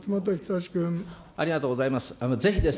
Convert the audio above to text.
ありがとうございます。